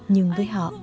nhưng với họ